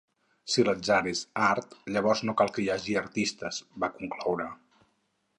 Si l'atzar és art llavors no cal que hi hagi artistes, va concloure.